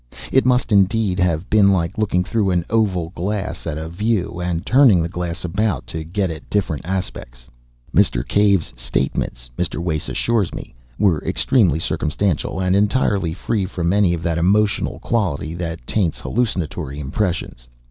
It must, indeed, have been like looking through an oval glass at a view, and turning the glass about to get at different aspects. Mr. Cave's statements, Mr. Wace assures me, were extremely circumstantial, and entirely free from any of that emotional quality that taints hallucinatory impressions.